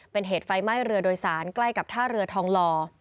เป็นเหตุไฟไหม้เรือโดยสารใกล้กับท่าเรือทองหล่อ